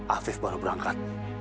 afif baru berangkat